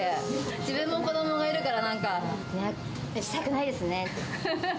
自分も子どもがいるから、なんかしたくないですね。